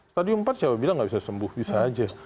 stadium empat siapa bilang nggak bisa sembuh bisa aja